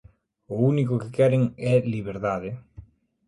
O único que queren é liberdade.